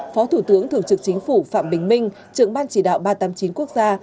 phó thủ tướng thường trực chính phủ phạm bình minh trưởng ban chỉ đạo ba trăm tám mươi chín quốc gia